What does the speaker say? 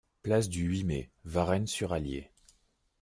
Place du huit Mai, Varennes-sur-Allier